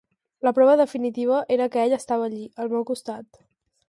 La prova definitiva era que ell estava allí, al meu costat.